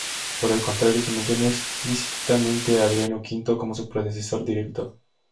Por el contrario, se menciona explícitamente a Adriano V como su predecesor directo.